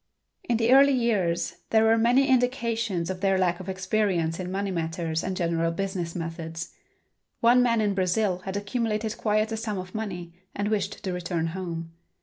In the early years there were many indications of their lack of experience in money matters and general business methods. One man in Brazil had accumulated quite a sum of money and wished to return home.